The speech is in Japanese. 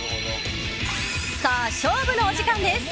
さあ、勝負のお時間です。